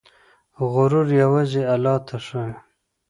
غرور يوازې الله ته ښايي.